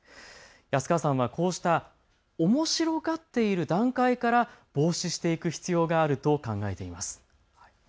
安川さんはこうしたおもしろがっている段階から防止していく必要があると考えています。